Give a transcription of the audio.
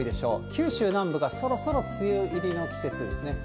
九州南部が、そろそろ梅雨入りの季節ですね。